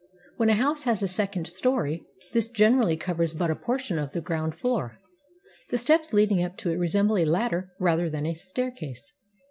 When a house has a second story, this generally covers but a portion of the ground floor. The steps leading up to it resemble a ladder rather than a staircase.